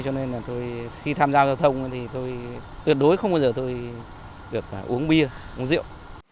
cho nên là tôi khi tham gia giao thông thì tôi tuyệt đối không bao giờ tôi được uống bia uống rượu